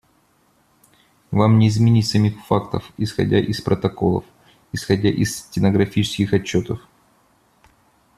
Вам не изменить самих фактов исходя из протоколов, исходя из стенографических отчетов.